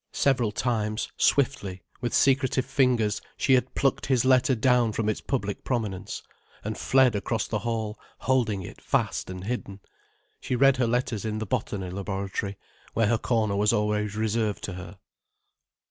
Several times, swiftly, with secretive fingers, she had plucked his letter down from its public prominence, and fled across the hall holding it fast and hidden. She read her letters in the botany laboratory, where her corner was always reserved to her.